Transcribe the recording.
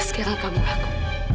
sekarang kamu laku